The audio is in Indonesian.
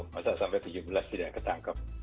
masa sampai tujuh belas tidak ketangkep